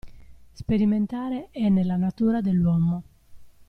Sperimentare è nella natura dell'uomo.